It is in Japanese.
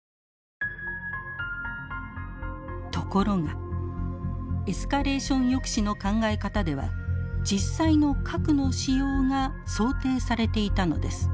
ところがエスカレーション抑止の考え方では実際の核の使用が想定されていたのです。